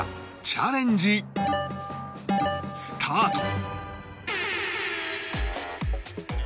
チャレンジスタート！